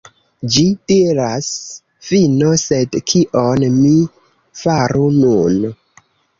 Ĝi diras "fino", sed kion mi faru nun?